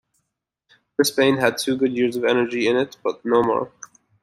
Brisbane had two good years of energy in it in but no more.